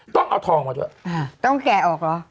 ต้องเอาทองมาด้วยอ่าต้องแก่ออกเหรอ